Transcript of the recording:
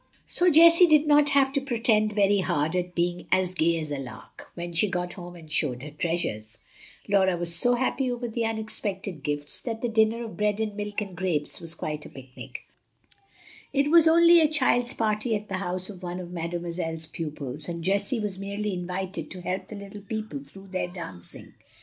So Jessie did not have to pretend very hard at being "as gay as a lark" when she got home and showed her treasures. Laura was so happy over the unexpected gifts that the dinner of bread and milk and grapes was quite a picnic; and Jessie found a smile on her face when she went to dress for her party. It was only a child's party at the house of one of Mademoiselle's pupils, and Jessie was merely invited to help the little people through their dancing.